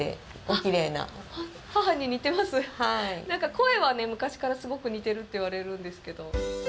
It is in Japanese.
声はね、昔からすごく似てるって言われるんですけど。